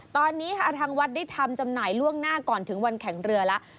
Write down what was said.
ตอนนี้ค่ะทางวัดได้ทำจำหน่ายล่วงหน้าก่อนถึงวันแข่งเรือแล้ว